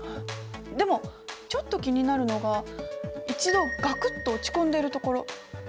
でもちょっと気になるのが一度ガクッと落ち込んでるところ。